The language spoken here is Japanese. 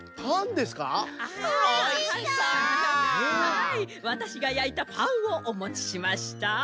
わたしがやいたパンをおもちしました。